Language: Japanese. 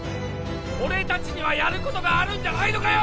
俺達にはやることがあるんじゃないのかよ！